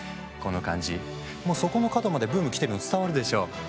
この感じ、もうそこの角までブームきてるの伝わるでしょう？